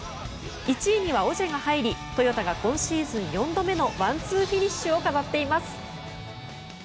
１位にはオジェが入りトヨタが今シーズン４度目のワンツーフィニッシュを飾っています。